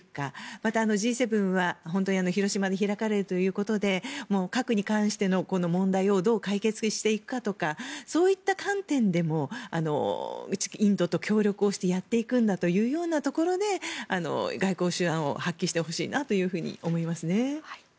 また、Ｇ７は広島で開かれるということで核に関しての問題をどう解決していくかとかそういった観点でもインドと協力をしてやっていくんだというようなところで外交手腕を発揮してほしいなと思いますね。